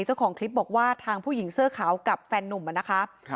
เจ้าของคลิปบอกว่าทางผู้หญิงเสื้อขาวกับแฟนนุ่มนะคะ